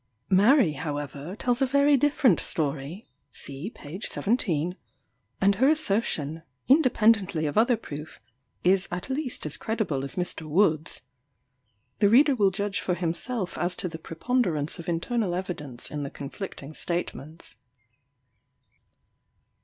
Mary, however, tells a very different story, (see page 17;) and her assertion, independently of other proof, is at least as credible as Mr. Wood's. The reader will judge for himself as to the preponderance of internal evidence in the conflicting statements.